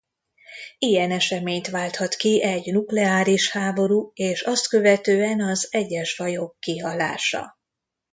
Ilyen eseményt válthat ki egy nukleáris háború és azt követően az egyes fajok kihalása.